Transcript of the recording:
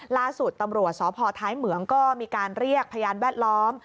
ล่าสุดตำรวจสพท้ายเหมืองก็มีการเรียกพยานแวดล้อม